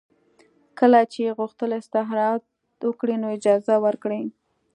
کله یې چې غوښتل استراحت وکړي نو اجازه ورکړئ